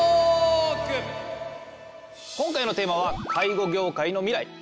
今回のテーマは「介護業界の未来」。